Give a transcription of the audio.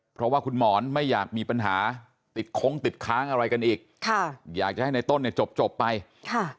เพราะว่าคุณหมอนไม่อยากมีปัญหาติดโค้งติดค้างอะไรกันอีกค่ะอยากจะให้ในต้นเนี่ยจบจบไปค่ะ